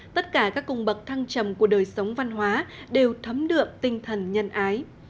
tất cả các cùng bậc thăng trầm của đời sống văn hóa đều thấm được tinh thần nhân ái